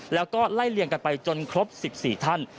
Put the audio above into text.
แล้วก็ไล่เลี่ยงกันไปจนครบ๑๔ท่าน